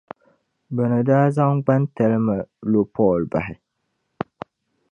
Bɛ ni daa zaŋ gbantalima lo Paul bahi.